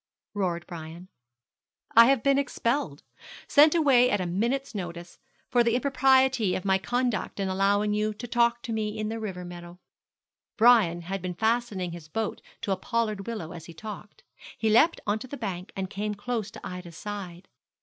roared Brian. 'I have been expelled sent away at a minute's notice for the impropriety of my conduct in allowing you to talk to me in the river meadow.' Brian had been fastening his boat to a pollard willow as he talked. He leapt on to the bank, and came close to Ida's side.